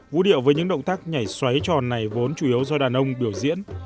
vũ điệu với những động tác nhảy xoáy tròn này vốn chủ yếu do đàn ông biểu diễn